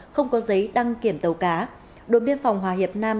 không có giấy đăng kiểm tàu cá đồn biên phòng hòa hiệp nam